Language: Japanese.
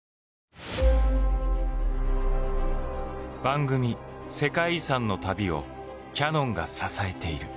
番組「世界遺産」の旅をキヤノンが支えている。